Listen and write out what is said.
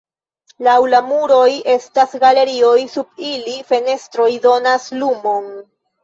Laŭ la muroj estas galerioj, sub ili fenestroj donas lumon.